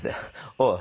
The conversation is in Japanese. おい。